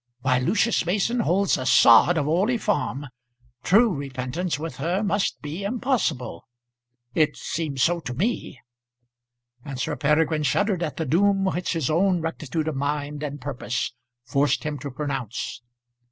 While Lucius Mason holds a sod of Orley Farm, true repentance with her must be impossible. It seems so to me." And Sir Peregrine shuddered at the doom which his own rectitude of mind and purpose forced him to pronounce.